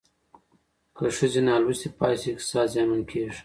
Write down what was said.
که ښځې نالوستې پاتې شي اقتصاد زیانمن کېږي.